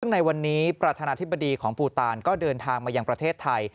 ซึ่งในวันนี้ประธานาธิบดีของปูตานก็เดินทางมายังประเทศไทย